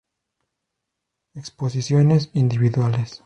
Exposiciones individuales.